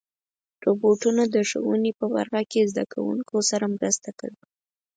روبوټونه د ښوونې په برخه کې زدهکوونکو سره مرسته کوي.